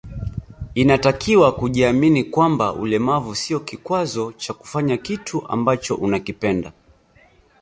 Inatakiwa kujiamini kwamba ulemavu sio kikwazo cha kufanya kitu ambacho unakipenda